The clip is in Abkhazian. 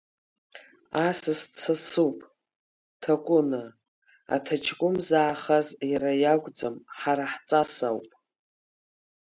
Асас дсасуп, Ҭакәына, аҭаҷкәым заахаз иара иакәӡам ҳара ҳҵас ауп!